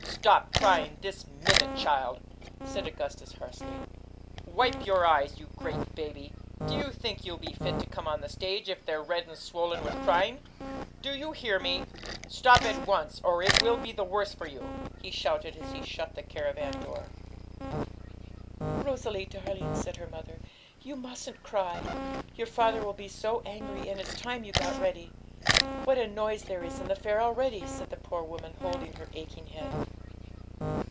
'Stop crying this minute, child!' said Augustus harshly. 'Wipe your eyes, you great baby! Do you think you'll be fit to come on the stage if they're red and swollen with crying? Do you hear me? Stop at once, or it will be the worse for you!' he shouted, as he shut the caravan door. 'Rosalie, darling,' said her mother, 'you mustn't cry; your father will be so angry, and it's time you got ready. What a noise there is in the fair already!' said the poor woman, holding her aching head.